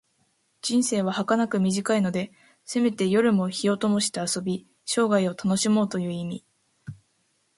人生ははかなく短いので、せめて夜も灯をともして遊び、生涯を楽しもうという意味。